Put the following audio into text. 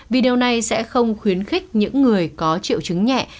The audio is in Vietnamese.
vì điều này sẽ không khuyến khích những người có triệu chứng nhẹ